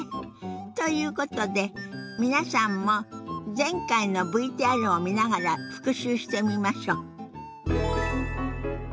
ということで皆さんも前回のＶＴＲを見ながら復習してみましょ。